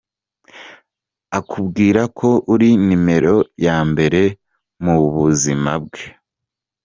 Akubwira ko uri nimero ya mbere mu buzima bwe.